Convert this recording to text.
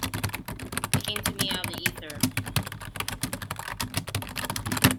It came to me out of the ether.